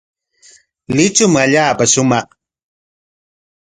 Luychum allaapa shumaq.